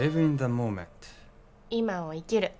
「今を生きる」